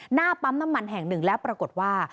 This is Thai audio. หน้าปั๊มน้ำมันแห่งหนึ่งแล้วปรากฏว่า